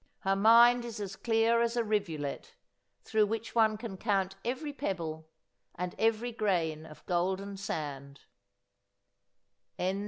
Her mind is as clear as a rivulet, through which one can count every pebble and every grain of golden sand.'